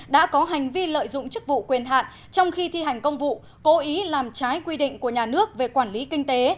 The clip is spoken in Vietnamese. đã có hành vi lợi dụng chức vụ quyền hạn trong khi thi hành công vụ cố ý làm trái quy định của nhà nước về quản lý kinh tế